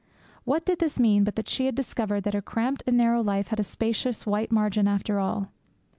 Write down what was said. What did this mean but that she had discovered that her cramped and narrow life had a spacious white margin after all?